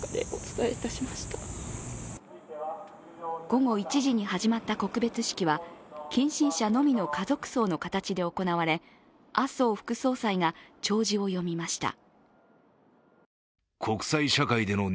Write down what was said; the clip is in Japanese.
午後１時に始まった告別式は近親者のみの家族葬の形で行われ麻生副総裁が弔辞を読みました。